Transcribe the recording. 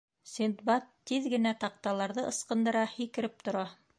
Синдбад тиҙ генә таҡталарҙы ыскындыра, һикереп тора: